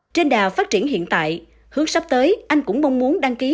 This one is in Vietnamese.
trên đà phát triển hiện tại hướng sắp tới anh cũng mong muốn đăng ký